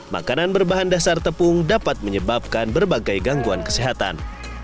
makanan berbahan dasar tepung dapat menyebabkan berbagai gangguan kesehatan